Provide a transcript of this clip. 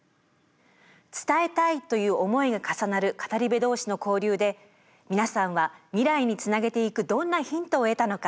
「伝えたい」という思いが重なる語り部同士の交流で皆さんは未来につなげていくどんなヒントを得たのか。